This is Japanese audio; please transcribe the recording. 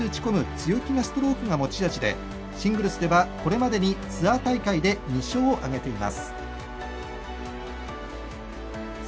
強気なストロークが持ち味でシングルスではこれまでにツアー大会で２勝を挙げています。